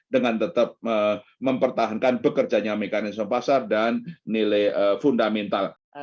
dengan tetap mempertahankan bekerjanya mekanisme pasar dan nilai fundamental